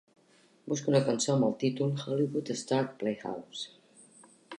Busca una cançó amb el títol Hollywood Star Playhouse